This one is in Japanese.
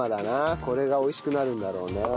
これが美味しくなるんだろうな。